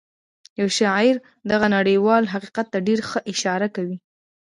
یو شاعر دغه نړیوال حقیقت ته ډېره ښه اشاره کوي